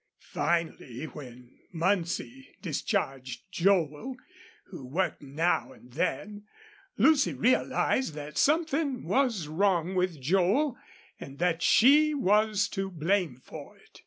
Finally, when Muncie discharged Joel, who worked now and then, Lucy realized that something was wrong with Joel and that she was to blame for it.